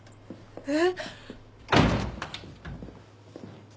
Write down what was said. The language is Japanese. えっ？